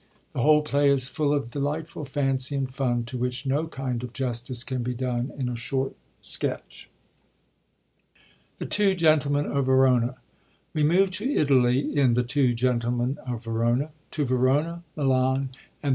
The whole play is full of delightful fancy and fun, to which no kind of justice can be done in a short sketch. Thb Two Gentlbmbn op Vbrona.— We move to Italy in The Ttoo Crentlemen of Verona — to Verona, Milan, and the .